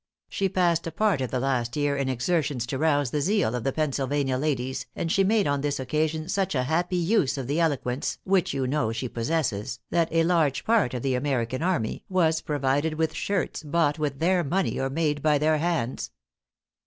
She passed a part of the last year in exertions to rouse the zeal of the Pennsylvania ladies, and she made on this occasion such a happy use of the eloquence which you know she possesses, that a large part of the American army was provided with shirts, bought with their money, or made by their hands.